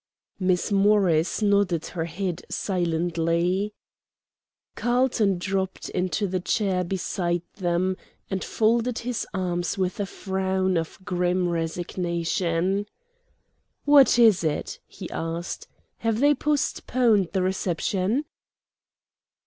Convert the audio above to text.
Miss Morris nodded her head silently. Carlton dropped into the chair beside them, and folded his arms with a frown of grim resignation. "What is it?" he asked. "Have they postponed the reception?"